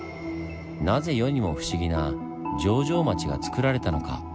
なぜ世にも不思議な「城上町」がつくられたのか？